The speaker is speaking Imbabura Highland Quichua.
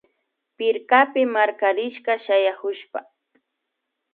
Pirkapi markarirka shayakushpa